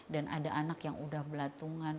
dan ada anak yang udah belatungan